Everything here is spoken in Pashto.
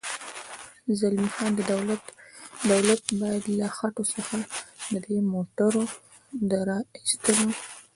زلمی خان: دولت باید له خټو څخه د دې موټرو د را اېستلو.